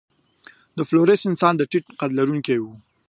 د فلورېس انسانان د ټیټ قد لرونکي وو.